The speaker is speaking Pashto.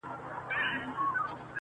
بدكارمو كړی چي وركړي مو هغو ته زړونه.